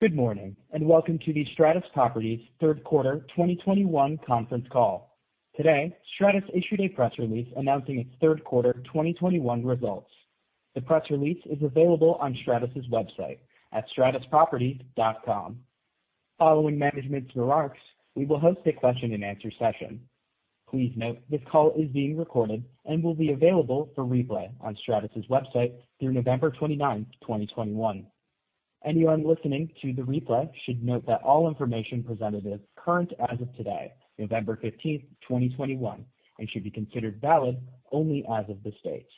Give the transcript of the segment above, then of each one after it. Good morning, and welcome to the Stratus Properties third quarter 2021 conference call. Today, Stratus issued a press release announcing its third quarter 2021 results. The press release is available on Stratus's website at stratusproperties.com. Following management's remarks, we will host a question-and-answer session. Please note this call is being recorded and will be available for replay on Stratus's website through November 29, 2021. Anyone listening to the replay should note that all information presented is current as of today, November 15, 2021, and should be considered valid only as of this date.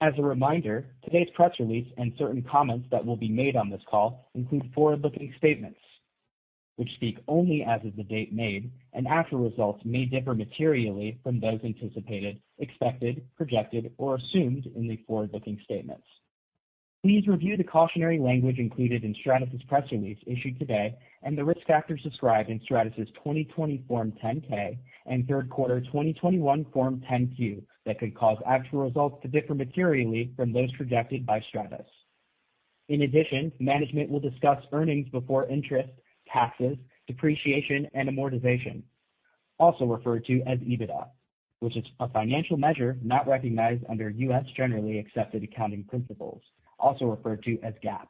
As a reminder, today's press release and certain comments that will be made on this call include forward-looking statements which speak only as of the date made, and actual results may differ materially from those anticipated, expected, projected, or assumed in the forward-looking statements. Please review the cautionary language included in Stratus's press release issued today and the risk factors described in Stratus's 2020 Form 10-K and third quarter 2021 Form 10-Q that could cause actual results to differ materially from those projected by Stratus. In addition, management will discuss earnings before interest, taxes, depreciation, and amortization, also referred to as EBITDA, which is a financial measure not recognized under U.S. generally accepted accounting principles, also referred to as GAAP.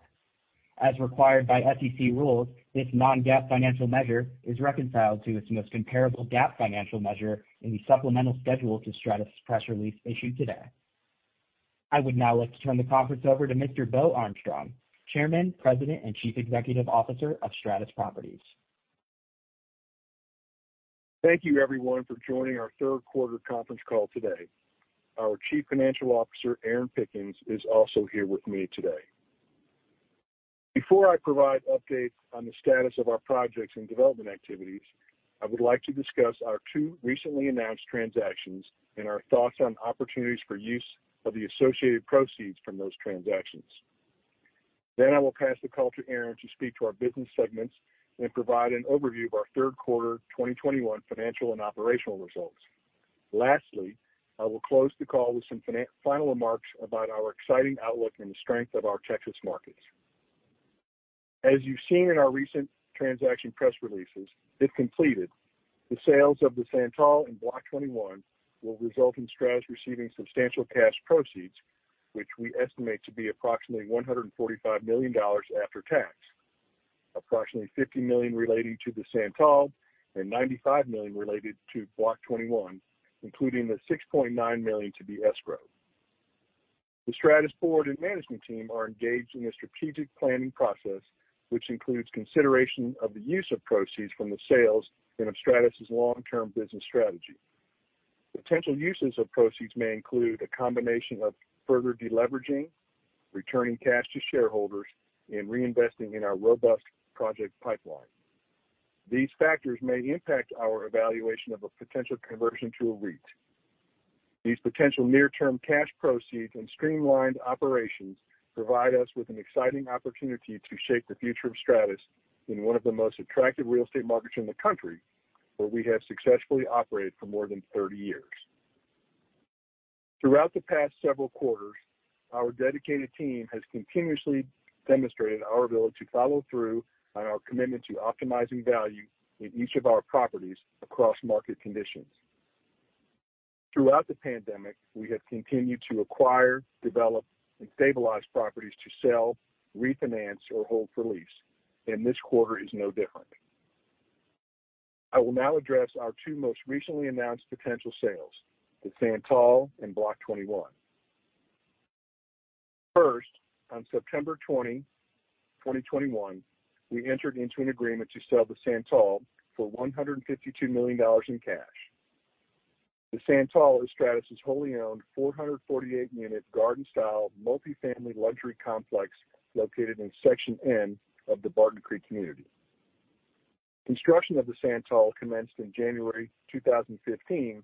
As required by SEC rules, this non-GAAP financial measure is reconciled to its most comparable GAAP financial measure in the supplemental schedule to Stratus's press release issued today. I would now like to turn the conference over to Mr. Bo Armstrong, Chairman, President, and Chief Executive Officer of Stratus Properties. Thank you, everyone, for joining our third quarter conference call today. Our Chief Financial Officer, Erin D. Pickens, is also here with me today. Before I provide updates on the status of our projects and development activities, I would like to discuss our two recently announced transactions and our thoughts on opportunities for use of the associated proceeds from those transactions. Then I will pass the call to Erin D. Pickens to speak to our business segments and provide an overview of our third quarter 2021 financial and operational results. Lastly, I will close the call with some final remarks about our exciting outlook and the strength of our Texas markets. As you've seen in our recent transaction press releases, if completed, the sales of The Santal and Block 21 will result in Stratus receiving substantial cash proceeds, which we estimate to be approximately $145 million after tax. Approximately $50 million relating to The Santal and $95 million related to Block 21, including the $6.9 million to be escrowed. The Stratus board and management team are engaged in a strategic planning process, which includes consideration of the use of proceeds from the sales and of Stratus's long-term business strategy. Potential uses of proceeds may include a combination of further deleveraging, returning cash to shareholders, and reinvesting in our robust project pipeline. These factors may impact our evaluation of a potential conversion to a REIT. These potential near-term cash proceeds and streamlined operations provide us with an exciting opportunity to shape the future of Stratus in one of the most attractive real estate markets in the country, where we have successfully operated for more than 30 years. Throughout the past several quarters, our dedicated team has continuously demonstrated our ability to follow through on our commitment to optimizing value in each of our properties across market conditions. Throughout the pandemic, we have continued to acquire, develop, and stabilize properties to sell, refinance, or hold for lease, and this quarter is no different. I will now address our two most recently announced potential sales, The Santal and Block 21. First, on September 20, 2021, we entered into an agreement to sell The Santal for $152 million in cash. The Santal is Stratus's wholly owned 448-unit garden-style multifamily luxury complex located in Section N of the Barton Creek community. Construction of The Santal commenced in January 2015,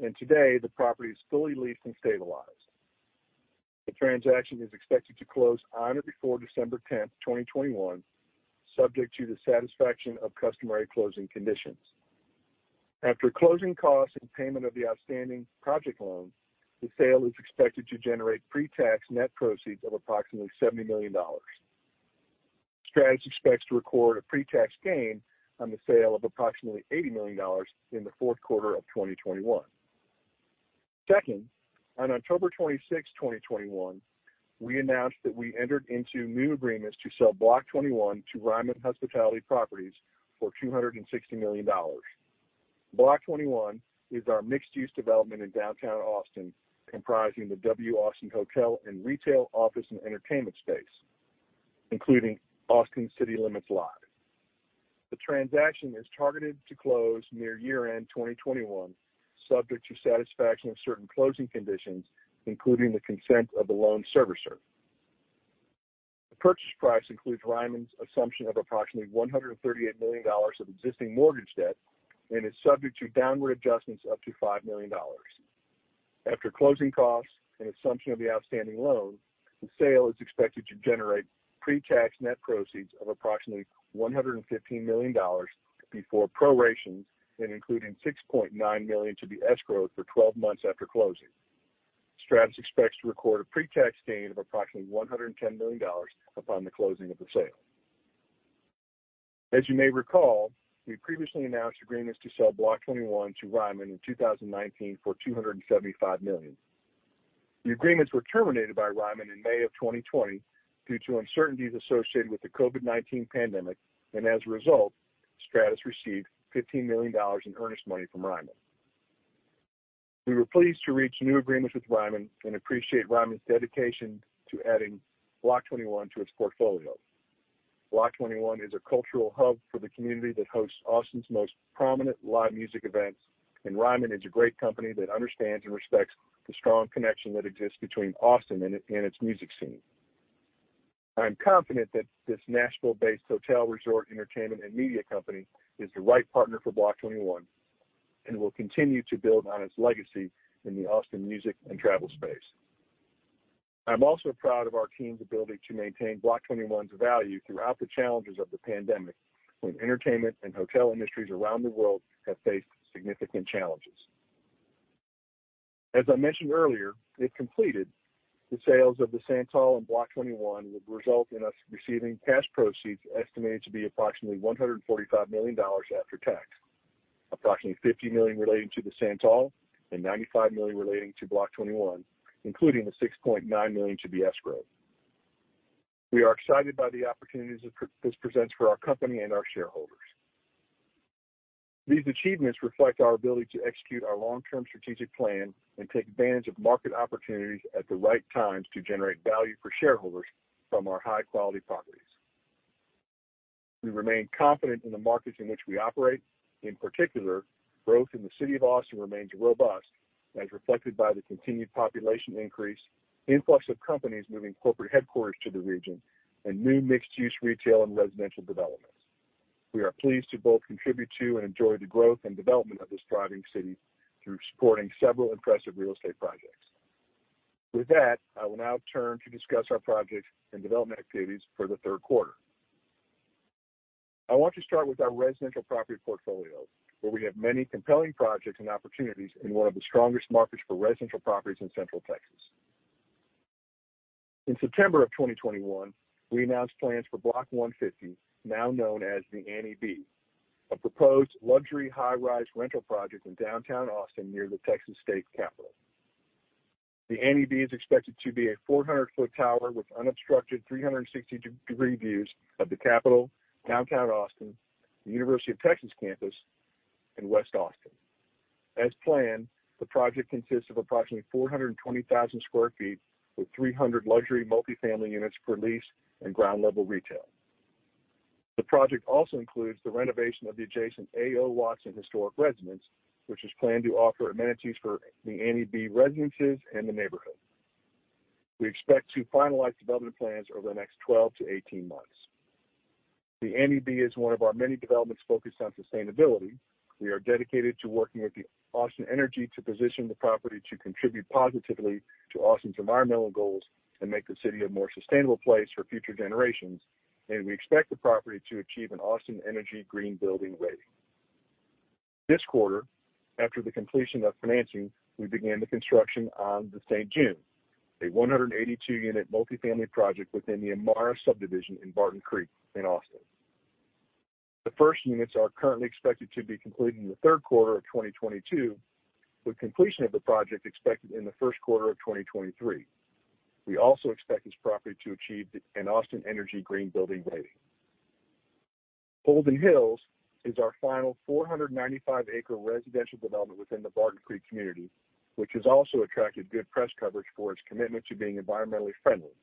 and today the property is fully leased and stabilized. The transaction is expected to close on or before December 10, 2021, subject to the satisfaction of customary closing conditions. After closing costs and payment of the outstanding project loan, the sale is expected to generate pre-tax net proceeds of approximately $70 million. Stratus expects to record a pre-tax gain on the sale of approximately $80 million in the fourth quarter of 2021. Second, on October 26, 2021, we announced that we entered into new agreements to sell Block 21 to Ryman Hospitality Properties for $260 million. Block 21 is our mixed-use development in downtown Austin, comprising the W Austin Hotel and retail office and entertainment space, including Austin City Limits Live. The transaction is targeted to close near year-end 2021, subject to satisfaction of certain closing conditions, including the consent of the loan servicer. The purchase price includes Ryman's assumption of approximately $138 million of existing mortgage debt and is subject to downward adjustments up to $5 million. After closing costs and assumption of the outstanding loan, the sale is expected to generate pre-tax net proceeds of approximately $115 million before prorations and including $6.9 million to be escrowed for 12 months after closing. Stratus expects to record a pre-tax gain of approximately $110 million upon the closing of the sale. You may recall, we previously announced agreements to sell Block 21 to Ryman in 2019 for $275 million. The agreements were terminated by Ryman in May of 2020 due to uncertainties associated with the COVID-19 pandemic, and as a result, Stratus received $15 million in earnest money from Ryman. We were pleased to reach new agreements with Ryman and appreciate Ryman's dedication to adding Block 21 to its portfolio. Block 21 is a cultural hub for the community that hosts Austin's most prominent live music events, and Ryman is a great company that understands and respects the strong connection that exists between Austin and its music scene. I am confident that this Nashville-based hotel, resort, entertainment, and media company is the right partner for Block 21 and will continue to build on its legacy in the Austin music and travel space. I'm also proud of our team's ability to maintain Block 21's value throughout the challenges of the pandemic when entertainment and hotel industries around the world have faced significant challenges. As I mentioned earlier, if completed, the sales of The Santal and Block 21 would result in us receiving cash proceeds estimated to be approximately $145 million after tax, approximately $50 million relating to The Santal and $95 million relating to Block 21, including the $6.9 million to be escrowed. We are excited by the opportunities this presents for our company and our shareholders. These achievements reflect our ability to execute our long-term strategic plan and take advantage of market opportunities at the right times to generate value for shareholders from our high-quality properties. We remain confident in the markets in which we operate. In particular, growth in the city of Austin remains robust as reflected by the continued population increase, influx of companies moving corporate headquarters to the region, and new mixed-use retail and residential developments. We are pleased to both contribute to and enjoy the growth and development of this thriving city through supporting several impressive real estate projects. With that, I will now turn to discuss our projects and development activities for the third quarter. I want to start with our residential property portfolio, where we have many compelling projects and opportunities in one of the strongest markets for residential properties in Central Texas. In September of 2021, we announced plans for Block 150, now known as The Annie B. a proposed luxury high-rise rental project in downtown Austin near the Texas State Capitol. The Annie B. is expected to be a 400-foot tower with unobstructed 360-degree views of the Capitol, downtown Austin, the University of Texas campus, and West Austin. As planned, the project consists of approximately 420,000 sq ft with 300 luxury multifamily units for lease and ground level retail. The project also includes the renovation of the adjacent A.O. Watson Historic Residence, which is planned to offer amenities for The Annie B. residences and the neighborhood. We expect to finalize development plans over the next 12-18 months. The Annie B. is one of our many developments focused on sustainability. We are dedicated to working with Austin Energy to position the property to contribute positively to Austin's environmental goals and make the city a more sustainable place for future generations, and we expect the property to achieve an Austin Energy Green Building rating. This quarter, after the completion of financing, we began the construction on the St. June, a 182-unit multifamily project within the Amarra subdivision in Barton Creek in Austin. The first units are currently expected to be completed in the third quarter of 2022, with completion of the project expected in the first quarter of 2023. We also expect this property to achieve an Austin Energy Green Building rating. Holden Hills is our final 495-acre residential development within the Barton Creek community, which has also attracted good press coverage for its commitment to being environmentally friendly.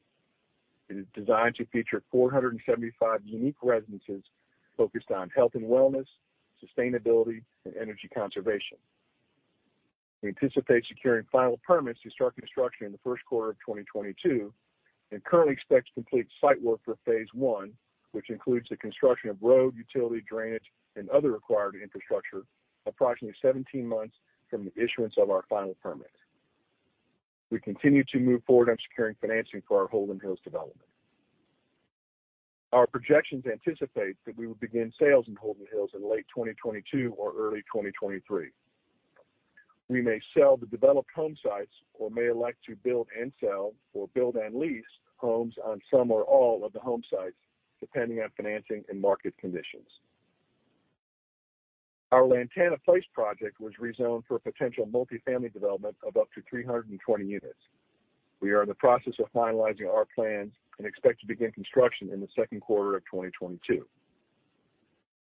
It is designed to feature 475 unique residences focused on health and wellness, sustainability, and energy conservation. We anticipate securing final permits to start construction in the first quarter of 2022 and currently expect to complete site work for phase one, which includes the construction of road, utility, drainage, and other required infrastructure approximately 17 months from the issuance of our final permit. We continue to move forward on securing financing for our Holden Hills development. Our projections anticipate that we will begin sales in Holden Hills in late 2022 or early 2023. We may sell the developed home sites or may elect to build and sell or build and lease homes on some or all of the home sites, depending on financing and market conditions. Our Lantana Place project was rezoned for potential multifamily development of up to 320 units. We are in the process of finalizing our plans and expect to begin construction in the second quarter of 2022.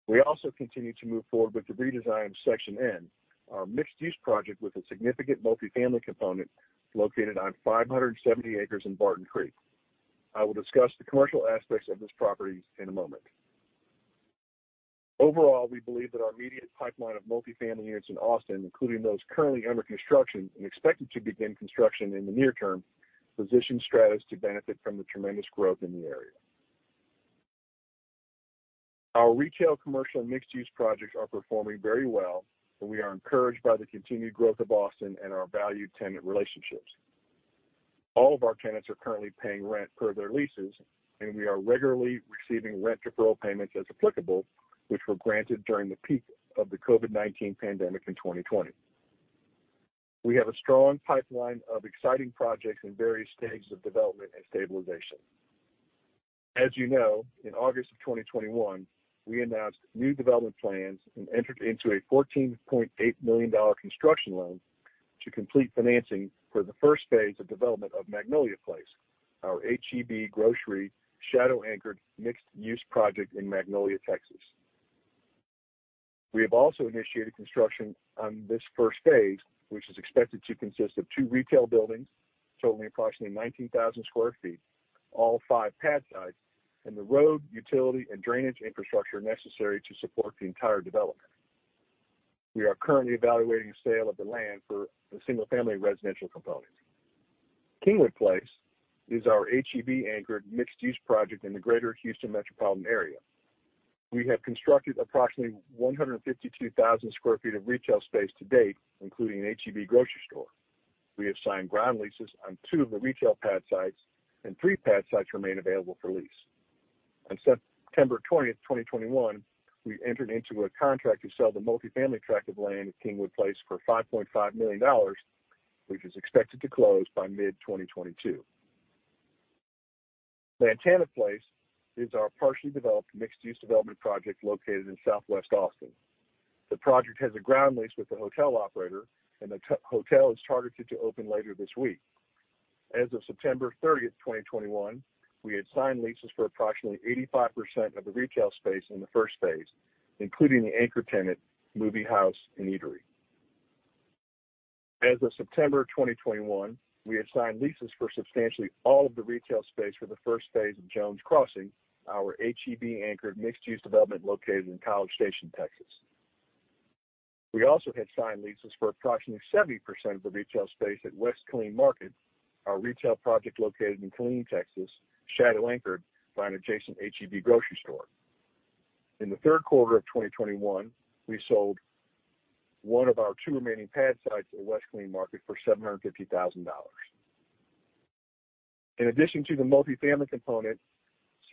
We also continue to move forward with the redesign of Section N, our mixed-use project with a significant multifamily component located on 570 acres in Barton Creek. I will discuss the commercial aspects of this property in a moment. Overall, we believe that our immediate pipeline of multifamily units in Austin, including those currently under construction and expected to begin construction in the near term, position Stratus to benefit from the tremendous growth in the area. Our retail, commercial, and mixed-use projects are performing very well, and we are encouraged by the continued growth of Austin and our valued tenant relationships. All of our tenants are currently paying rent per their leases, and we are regularly receiving rent deferral payments as applicable, which were granted during the peak of the COVID-19 pandemic in 2020. We have a strong pipeline of exciting projects in various stages of development and stabilization. As you know, in August of 2021, we announced new development plans and entered into a $14.8 million construction loan to complete financing for the first phase of development of Magnolia Place, our H-E-B grocery shadow-anchored mixed-use project in Magnolia, Texas. We have also initiated construction on this first phase, which is expected to consist of two retail buildings totaling approximately 19,000 sq ft, all five pad sites, and the road, utility, and drainage infrastructure necessary to support the entire development. We are currently evaluating a sale of the land for the single-family residential component. Kingwood Place is our H-E-B anchored mixed-use project in the greater Houston metropolitan area. We have constructed approximately 152,000 sq ft of retail space to date, including an H-E-B grocery store. We have signed ground leases on two of the retail pad sites, and 3 pad sites remain available for lease. On September 20, 2021, we entered into a contract to sell the multi-family tract of land at Kingwood Place for $5.5 million, which is expected to close by mid-2022. Lantana Place is our partially developed mixed-use development project located in Southwest Austin. The project has a ground lease with the hotel operator, and the hotel is targeted to open later this week. As of September 30, 2021, we had signed leases for approximately 85% of the retail space in the first phase, including the anchor tenant, Moviehouse & Eatery. As of September 2021, we have signed leases for substantially all of the retail space for the first phase of Jones Crossing, our H-E-B anchored mixed-use development located in College Station, Texas. We also had signed leases for approximately 70% of the retail space at West Killeen Market, our retail project located in Killeen, Texas, shadow anchored by an adjacent H-E-B grocery store. In the third quarter of 2021, we sold one of our two remaining pad sites at West Killeen Market for $750,000. In addition to the multi-family component,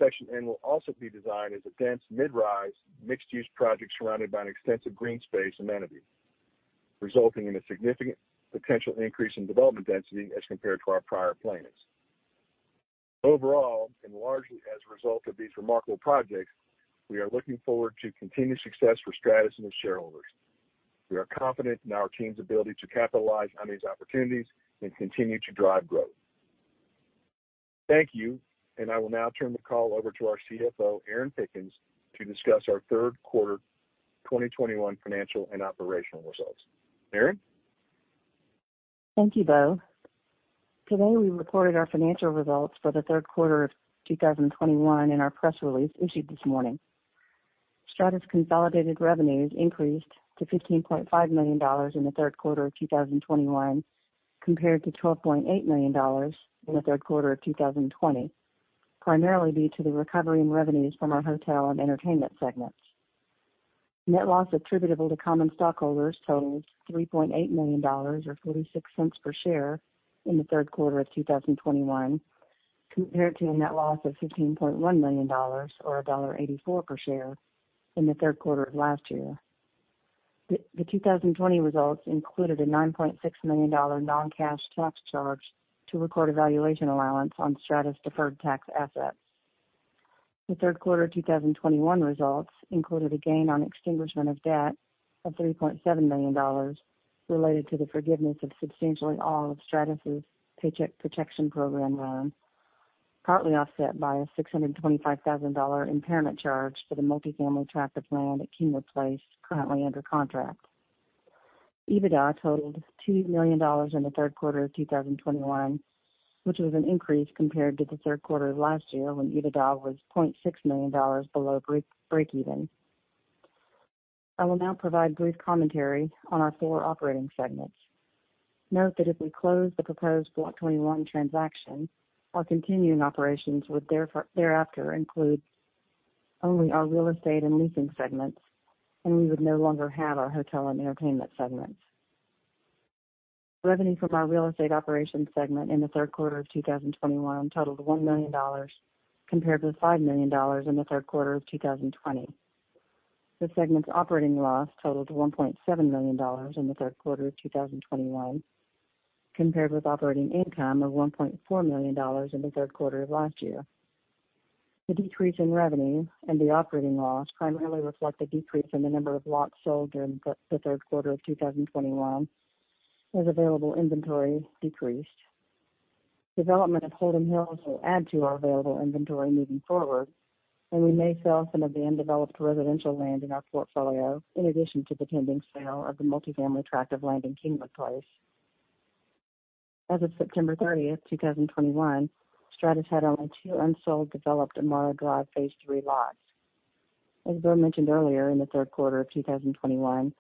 Section N will also be designed as a dense mid-rise mixed-use project surrounded by an extensive green space amenity, resulting in a significant potential increase in development density as compared to our prior plans. Overall, and largely as a result of these remarkable projects, we are looking forward to continued success for Stratus and its shareholders. We are confident in our team's ability to capitalize on these opportunities and continue to drive growth. Thank you. I will now turn the call over to our CFO, Erin D. Pickens, to discuss our third quarter 2021 financial and operational results. Erin? Thank you, Bo. Today, we reported our financial results for the third quarter of 2021 in our press release issued this morning. Stratus consolidated revenues increased to $15.5 million in the third quarter of 2021 compared to $12.8 million in the third quarter of 2020, primarily due to the recovery in revenues from our hotel and entertainment segments. Net loss attributable to common stockholders totals $3.8 million, or $0.46 per share in the third quarter of 2021, compared to a net loss of $15.1 million or $1.84 per share in the third quarter of last year. The 2020 results included a $9.6 million non-cash tax charge to record a valuation allowance on Stratus deferred tax assets. The third quarter of 2021 results included a gain on extinguishment of debt of $3.7 million related to the forgiveness of substantially all of Stratus' Paycheck Protection Program loan, partly offset by a $625,000 impairment charge for the multi-family tract of land at Kingwood Place, currently under contract. EBITDA totaled $2 million in the third quarter of 2021, which was an increase compared to the third quarter of last year when EBITDA was $0.6 million below break even. I will now provide brief commentary on our four operating segments. Note that if we close the proposed Block 21 transaction, our continuing operations would thereafter include only our real estate and leasing segments, and we would no longer have our hotel and entertainment segments. Revenue from our real estate operations segment in the third quarter of 2021 totaled $1 million, compared with $5 million in the third quarter of 2020. The segment's operating loss totaled $1.7 million in the third quarter of 2021, compared with operating income of $1.4 million in the third quarter of last year. The decrease in revenue and the operating loss primarily reflect a decrease in the number of lots sold during the third quarter of 2021, as available inventory decreased. Development of Holden Hills will add to our available inventory moving forward, and we may sell some of the undeveloped residential land in our portfolio in addition to the pending sale of the multi-family tract of land in Kingwood Place. As of September 30, 2021, Stratus had only 2 unsold developed Amarra Drive Phase III lots. As Bo mentioned earlier, in the third quarter of 2021,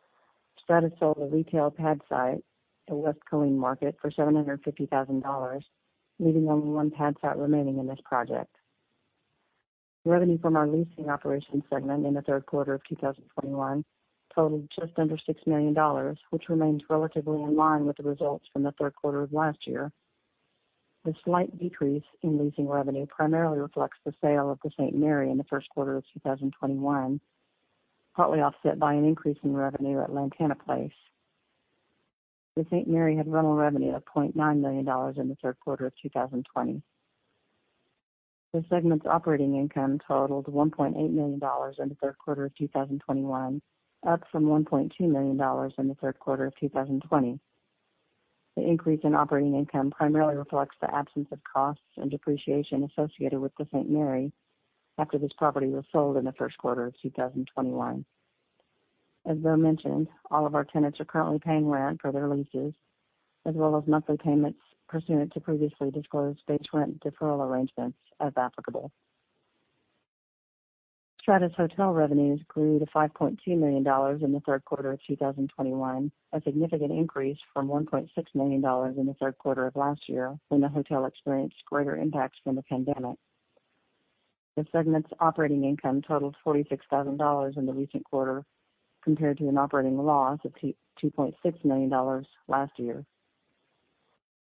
Stratus sold a retail pad site at West Killeen Market for $750,000, leaving only 1 pad site remaining in this project. Revenue from our leasing operations segment in the third quarter of 2021 totaled just under $6 million, which remains relatively in line with the results from the third quarter of last year. The slight decrease in leasing revenue primarily reflects the sale of The Saint Mary in the first quarter of 2021, partly offset by an increase in revenue at Lantana Place. The Saint Mary had rental revenue of $0.9 million in the third quarter of 2020. The segment's operating income totaled $1.8 million in the third quarter of 2021, up from $1.2 million in the third quarter of 2020. The increase in operating income primarily reflects the absence of costs and depreciation associated with The Saint Mary after this property was sold in the first quarter of 2021. As Bo mentioned, all of our tenants are currently paying rent for their leases as well as monthly payments pursuant to previously disclosed base rent deferral arrangements as applicable. Stratus Hotel revenues grew to $5.2 million in the third quarter of 2021, a significant increase from $1.6 million in the third quarter of last year, when the hotel experienced greater impacts from the pandemic. The segment's operating income totaled $46 thousand in the recent quarter compared to an operating loss of $2.6 million last year.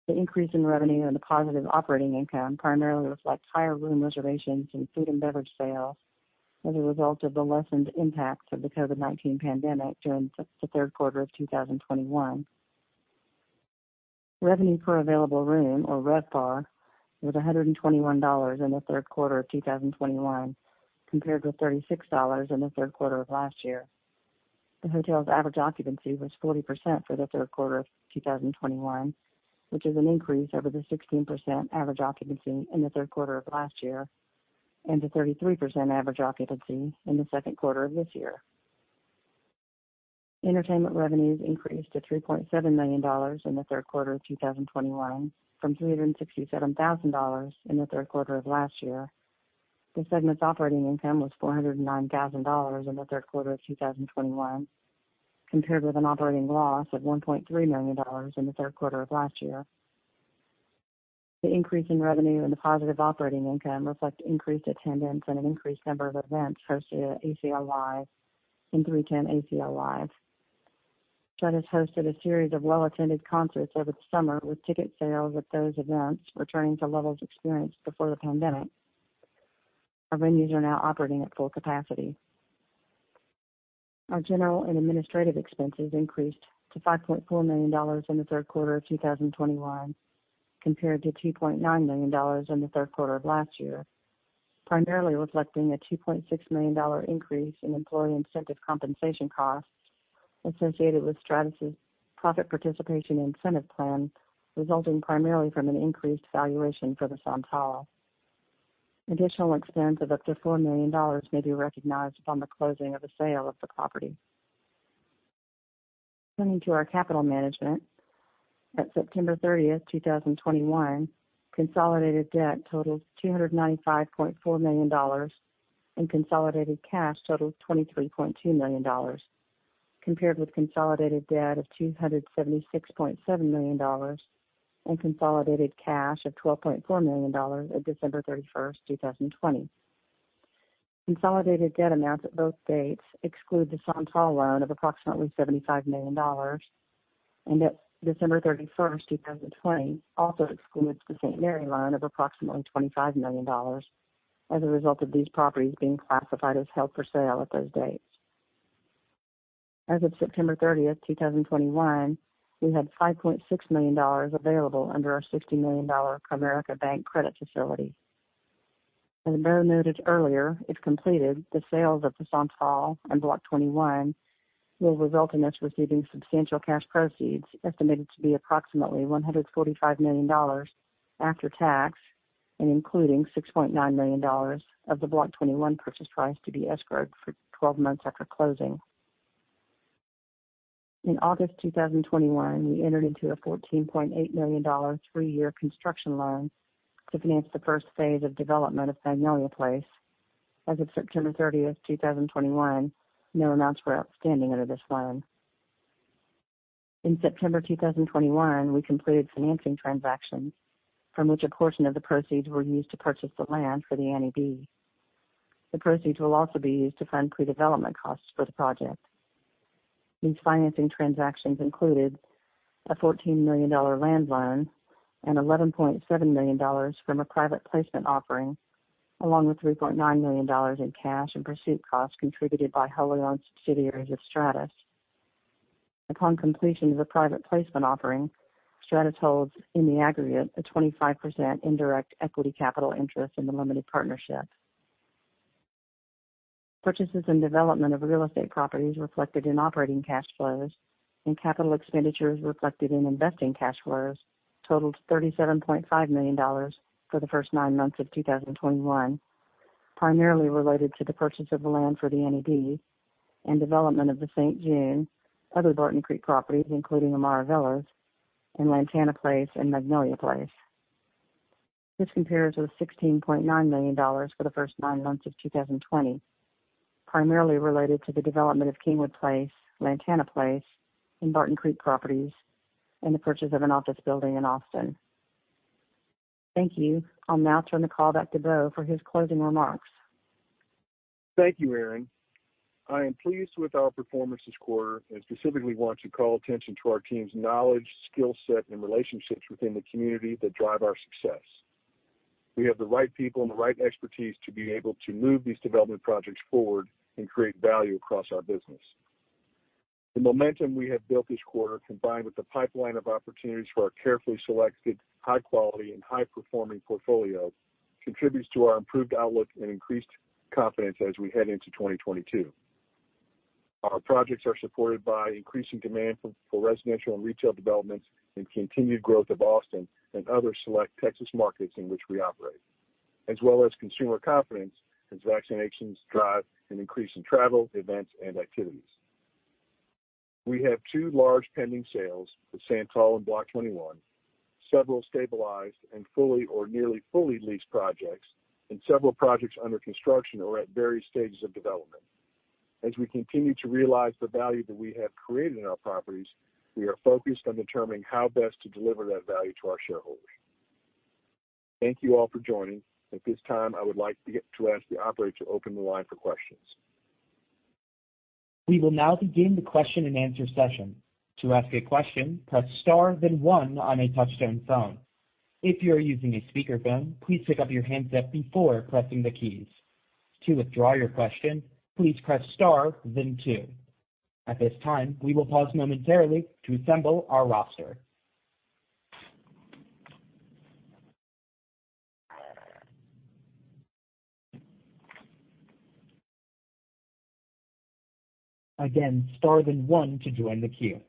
The increase in revenue and the positive operating income primarily reflects higher room reservations and food and beverage sales as a result of the lessened impacts of the COVID-19 pandemic during the third quarter of 2021. Revenue per available room, or RevPAR, was $121 in the third quarter of 2021, compared with $36 in the third quarter of last year. The hotel's average occupancy was 40% for the third quarter of 2021, which is an increase over the 16% average occupancy in the third quarter of last year and the 33% average occupancy in the second quarter of this year. Entertainment revenues increased to $3.7 million in the third quarter of 2021 from $367,000 in the third quarter of last year. The segment's operating income was $409,000 in the third quarter of 2021, compared with an operating loss of $1.3 million in the third quarter of last year. The increase in revenue and the positive operating income reflect increased attendance and an increased number of events hosted at ACL Live and 3TEN ACL Live. Stratus hosted a series of well-attended concerts over the summer, with ticket sales at those events returning to levels experienced before the pandemic. Our venues are now operating at full capacity. Our general and administrative expenses increased to $5.4 million in the third quarter of 2021, compared to $2.9 million in the third quarter of last year, primarily reflecting a $2.6 million increase in employee incentive compensation costs associated with Stratus' profit participation incentive plan, resulting primarily from an increased valuation for The Santal. Additional expense of up to $4 million may be recognized upon the closing of the sale of the property. Turning to our capital management, at September 30, 2021, consolidated debt totaled $295.4 million and consolidated cash totaled $23.2 million, compared with consolidated debt of $276.7 million and consolidated cash of $12.4 million at December 31, 2020. Consolidated debt amounts at both dates exclude The Santal loan of approximately $75 million, and at December 31st, 2020, also excludes The Saint Mary loan of approximately $25 million as a result of these properties being classified as held for sale at those dates. As of September 30, 2021, we had $5.6 million available under our $60 million Comerica Bank credit facility. As Bo noted earlier, if completed, the sales of The Santal and Block 21 will result in us receiving substantial cash proceeds estimated to be approximately $145 million after tax and including $6.9 million of the Block 21 purchase price to be escrowed for 12 months after closing. In August 2021, we entered into a $14.8 million three-year construction loan to finance the first phase of development of Magnolia Place. As of September 30th, 2021, no amounts were outstanding under this loan. In September 2021, we completed financing transactions from which a portion of the proceeds were used to purchase the land for The Annie B. The proceeds will also be used to fund pre-development costs for the project. These financing transactions included a $14 million land loan and $11.7 million from a private placement offering, along with $3.9 million in cash and pursuit costs contributed by wholly owned subsidiaries of Stratus. Upon completion of the private placement offering, Stratus holds in the aggregate a 25% indirect equity capital interest in the limited partnership. Purchases and development of real estate properties reflected in operating cash flows and capital expenditures reflected in investing cash flows totaled $37.5 million for the first nine months of 2021, primarily related to the purchase of the land for The Annie B and development of The Saint June, other Barton Creek properties, including Amarra Villas and Lantana Place and Magnolia Place. This compares with $16.9 million for the first nine months of 2020, primarily related to the development of Kingwood Place, Lantana Place and Barton Creek properties, and the purchase of an office building in Austin. Thank you. I'll now turn the call back to Bo for his closing remarks. Thank you, Erin. I am pleased with our performance this quarter and specifically want to call attention to our team's knowledge, skill set, and relationships within the community that drive our success. We have the right people and the right expertise to be able to move these development projects forward and create value across our business. The momentum we have built this quarter, combined with the pipeline of opportunities for our carefully selected, high quality, and high performing portfolio, contributes to our improved outlook and increased confidence as we head into 2022. Our projects are supported by increasing demand for residential and retail developments and continued growth of Austin and other select Texas markets in which we operate, as well as consumer confidence as vaccinations drive an increase in travel, events, and activities. We have two large pending sales with The Santal and Block 21, several stabilized and fully or nearly fully leased projects, and several projects under construction or at various stages of development. As we continue to realize the value that we have created in our properties, we are focused on determining how best to deliver that value to our shareholders. Thank you all for joining. At this time, I would like to ask the operator to open the line for questions. We will now begin the question and answer session. To ask a question, press star then one on a touchtone phone. If you are using a speakerphone, please pick up your handset before pressing the keys. To withdraw your question, please press star then two. At this time, we will pause momentarily to assemble our roster. Again, star then one to join the queue.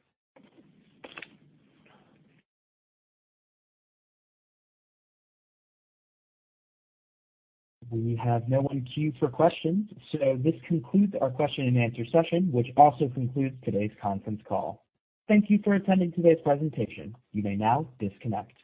We have no one queued for questions, so this concludes our question and answer session, which also concludes today's conference call. Thank you for attending today's presentation. You may now disconnect.